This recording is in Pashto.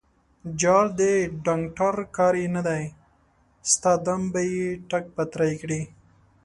_جار، د ډانګټر کار يې نه دی، ستا دم به يې ټک پتری کړي.